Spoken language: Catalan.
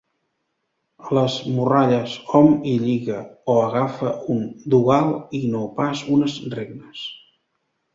A les morralles, hom hi lliga o agafa un dogal i no pas unes regnes.